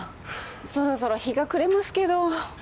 そろそろ日が暮れますけど。